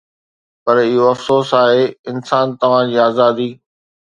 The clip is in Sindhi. پر اهو افسوس آهي، انسان، توهان جي آزادي